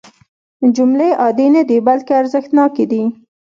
جملې عادي نه دي بلکې ارزښتناکې دي.